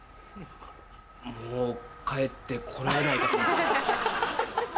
もう帰ってこられないかと。